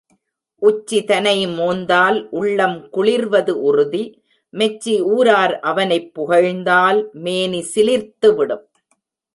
உச்சிதனை மோந்தால் உள்ளம் குளிர்வது உறுதி மெச்சி ஊரார் அவனைப் புகழ்ந்தால் மேனி சிலிர்த்துவிடும்.